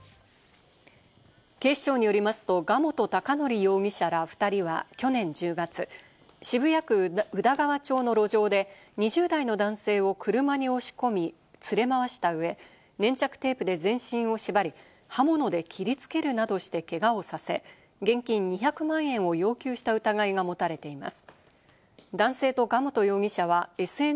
警視庁によりますと、賀本貴則容疑者ら２人は去年１０月、渋谷区宇田川町の路上で２０代の男性を車に押し込み、連れ回した上、粘着テープで全身を縛り、刃物で切り付けるなどしてけがをさせ、現金２００万円を要求した疑いが持たれています。